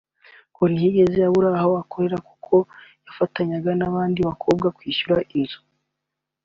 ngo ntiyigeze abura aho akorera akazi kuko yafatanyaga n’abandi bakobwa kwishyura inzu